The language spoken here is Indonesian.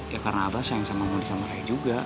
ya karena abah sayang sama muli sama raya juga